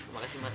makasih ma e